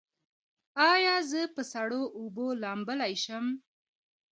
ایا زه په سړو اوبو لامبلی شم؟